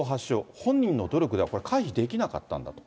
本人の努力ではこれは回避できなかったんだと。